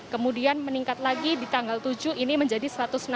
kemudian meningkat lagi di tanggal tujuh ini menjadi satu ratus enam puluh